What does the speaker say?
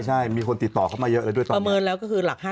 ใช่มีคนติดต่อเข้ามาเยอะเลยด้วยประเมินเราก็คือหลัก๕๐ล้าน